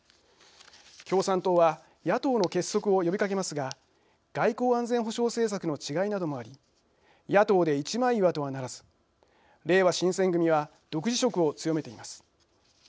共産党は野党の結束を呼びかけますが外交・安全保障政策の違いなどもあり野党で一枚岩とはならずれいわ新選組は独自色を強めています。